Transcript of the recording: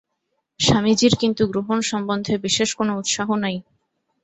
স্বামীজীর কিন্তু গ্রহণসম্বন্ধে বিশেষ কোন উৎসাহ নাই।